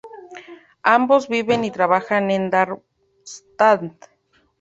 Ambos viven y trabajan en Darmstadt.